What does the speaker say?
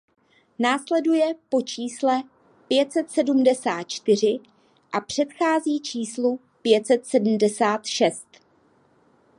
Následuje po čísle pět set sedmdesát čtyři a předchází číslu pět set sedmdesát šest.